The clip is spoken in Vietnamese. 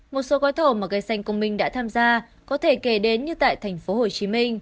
một số gói thầu mà gây xanh công minh đã tham gia có thể kể đến như tại tp hcm